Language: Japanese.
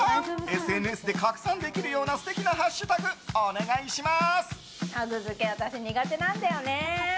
ＳＮＳで拡散できるような素敵なハッシュタグお願いします。